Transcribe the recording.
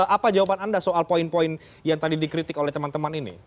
apa jawaban anda soal poin poin yang tadi dikritik oleh teman teman ini